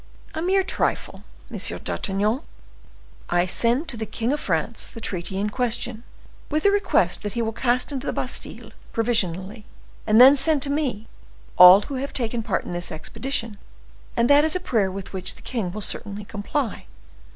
"A mere trifle. 'Monsieur d'Artagnan, I send to the king of France the treaty in question, with a request that he will cast into the Bastile provisionally, and then send to me, all who have taken part in this expedition; and that is a prayer with which the king will certainly comply.